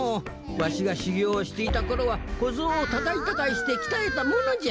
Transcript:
わしがしゅぎょうしていたころはこゾウをたかいたかいしてきたえたものじゃ。